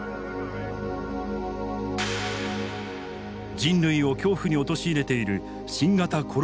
人類を恐怖に陥れている新型コロナウイルス。